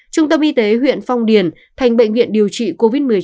trung tâm y tế huyện phong điền thành bệnh viện điều trị covid một mươi chín huyện phong điền